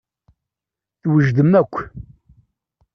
Twejdem akk.